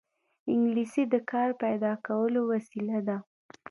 انګلیسي د کار پیدا کولو وسیله ده